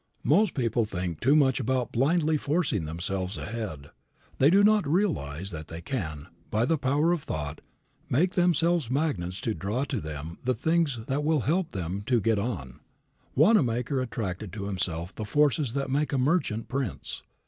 Most people think too much about blindly forcing themselves ahead. They do not realize that they can, by the power of thought, make themselves magnets to draw to them the things that will help them to get on. Wanamaker attracted to himself the forces that make a merchant prince.